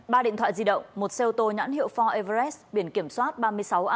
ba điện thoại di động một xe ô tô nhãn hiệu ford everest biển kiểm soát ba mươi sáu a năm mươi nghìn tám trăm linh